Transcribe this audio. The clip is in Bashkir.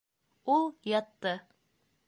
Ул ятты